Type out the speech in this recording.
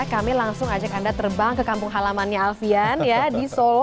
kami langsung ajak anda terbang ke kampung halamannya alfian di solo